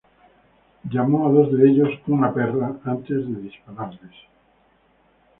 Él llamó a dos de ellos una "perra" antes de dispararles.